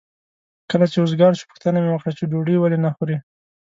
کله چې وزګار شو پوښتنه مې وکړه چې ډوډۍ ولې نه خورې؟